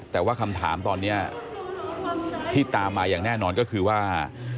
แต่ว่าคำถามตอนนี้ที่ตามมาอย่างแน่นอนก็คือว่า